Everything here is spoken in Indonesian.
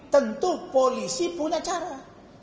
tentu polisi punya cara